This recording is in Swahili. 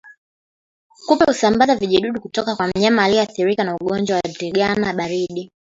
Kupe husambaza vijidudu kutoka kwa mnyama aliyeathirika na ugonjwa wa ndigana baridi